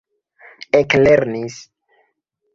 eklernis